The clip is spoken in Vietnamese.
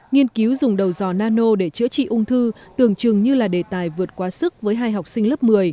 nghiên cứu dùng đầu dò nano để chữa trị ung thư tưởng chừng như là đề tài vượt quá sức với hai học sinh lớp một mươi